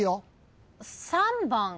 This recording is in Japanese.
３番。